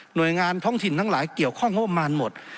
หน่วยงานท้องถิ่นทั้งหลายเกี่ยวข้องบมานหมด